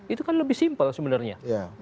itu kan lebih simpel sebenarnya